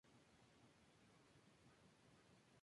Su archivo histórico se conserva en internet de forma gratuita.